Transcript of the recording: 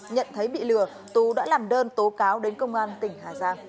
nhận thấy bị lừa tú đã làm đơn tố cáo đến công an tỉnh